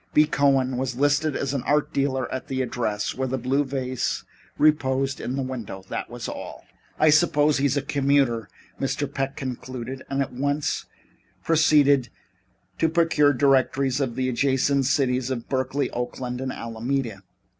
B. Cohen was listed as an art dealer at the address where the blue vase reposed in the show window. That was all. "I suppose he's a commuter," Mr. Peck concluded, and at once proceeded to procure directories of the adjacent cities of Berkeley, Oakland and Alameda.